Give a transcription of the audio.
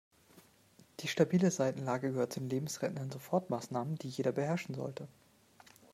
Die stabile Seitenlage gehört zu den lebensrettenden Sofortmaßnahmen, die jeder beherrschen sollte.